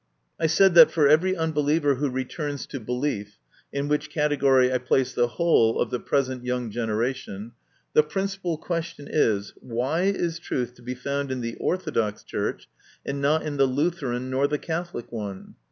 I said that, for every unbeliever who returns to belief (in which category I place the whole of the present young generation) the principal question is, Why is truth to be found in the Orthodox Church and not in the Lutheran nor the Catholic one?